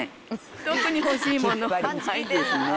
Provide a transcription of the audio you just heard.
特に欲しいものはないですね。